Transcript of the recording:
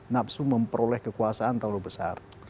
nafsu memperoleh kekuasaan terlalu besar